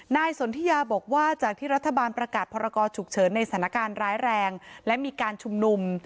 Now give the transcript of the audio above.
สนทิยาบอกว่าจากที่รัฐบาลประกาศพรกรฉุกเฉินในสถานการณ์ร้ายแรงและมีการชุมนุม